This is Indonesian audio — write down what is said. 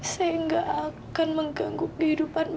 saya gak akan mengganggu kehidupan